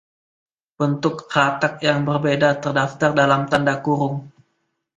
Bentuk Ratak yang berbeda terdaftar dalam tanda kurung.